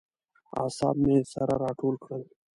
اعصاب مې سره راټول کړل.